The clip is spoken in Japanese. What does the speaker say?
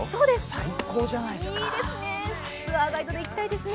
最高じゃないですか。